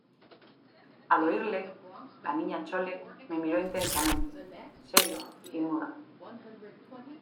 al oírle, la Niña Chole me miró intensamente , seria y muda.